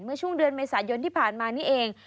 เมื่อช่วงเดือนเมษายนที่ผ่านมานี่เอง